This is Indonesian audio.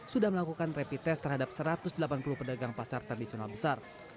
sudah melakukan rapid test terhadap satu ratus delapan puluh pedagang pasar tradisional besar